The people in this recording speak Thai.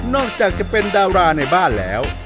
อกจากจะเป็นดาราในบ้านแล้ว